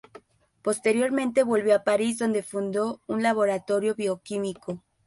Posteriormente volvió a París, donde fundó un laboratorio bioquímico.